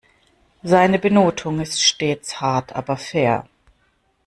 Seine Benotung ist stets hart aber fair.